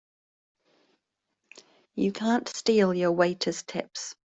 You can't steal your waiters' tips!